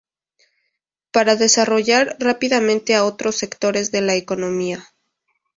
Para desarrollar rápidamente a otros sectores de la economía.